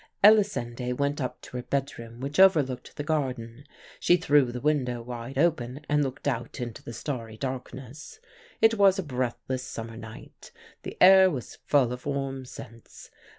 "Elisinde went up to her bedroom, which overlooked the garden. She threw the window wide open and looked out into the starry darkness. It was a breathless summer night. The air was full of warm scents.